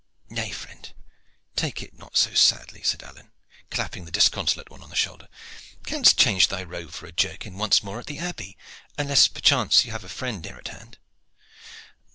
"Nay, friend, take it not so sadly," said Alleyne, clapping the disconsolate one upon the shoulder. "Canst change thy robe for a jerkin once more at the Abbey, unless perchance you have a friend near at hand."